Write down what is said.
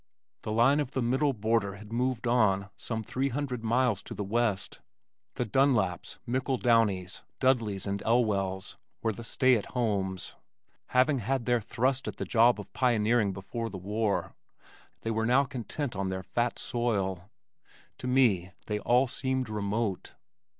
The line of the middle border had moved on some three hundred miles to the west. The Dunlaps, McIldowneys, Dudleys and Elwells were the stay at homes. Having had their thrust at the job of pioneering before the war they were now content on their fat soil. To me they all seemed remote.